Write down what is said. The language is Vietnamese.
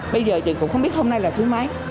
bây giờ thì cũng không biết hôm nay là thứ